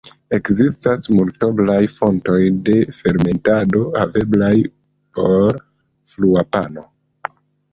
Ekzistis multoblaj fontoj de fermentado haveblaj por frua pano.